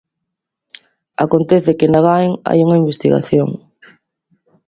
Acontece que na Gain hai unha investigación.